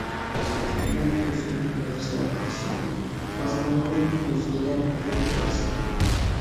كۈتىمەن كۆزۈمدىن ياشلار ئاقسىمۇ، ئازمايمەن ئۆزگىلەر كۈلۈپ باقسىمۇ.